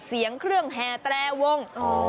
เสียงเครื่องแห่แตรวง